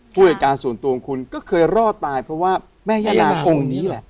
ผู้จัดการส่วนตัวของคุณก็เคยรอดตายเพราะว่าแม่ย่านางองค์นี้แหละ